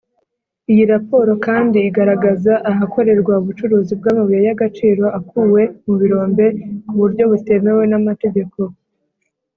Iyi raporo kandi igaragaza ahakorerwa ubucuruzi bw’amabuye y’agaciro akuwe mu birombe ku buryo butemewe n’amategeko